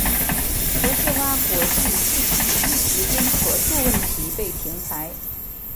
博士蛙国际自此一直因核数问题被停牌。